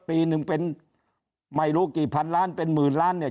ปีหนึ่งเป็นไม่รู้กี่พันล้านเป็นหมื่นล้านเนี่ย